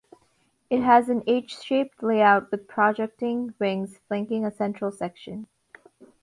It has an H-shaped layout, with projecting wings flanking a central section.